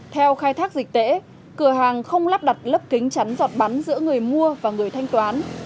theo khai thác dịch tễ cửa hàng không lắp đặt lớp kính chắn giọt bắn giữa người mua và người thanh toán